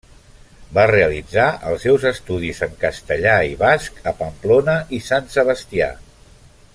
Va realitzar els seus estudis en castellà i basc a Pamplona i Sant Sebastià.